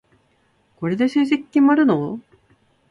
これで成績決まるの？